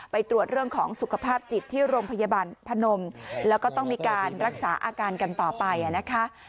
ไปตรวจเรื่องของสุขภาพจิตที่โรงพยาบาลพนมแล้วก็ต้องมีการรักษาอาการกันต่อไปนะคะ